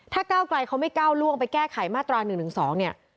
ถ้าก้าวไกลเขาไม่ก้าวล่วงไปแก้ไขมาตรา๑๑๒เนี่ย